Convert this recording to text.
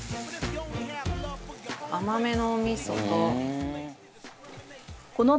甘めのお味噌と。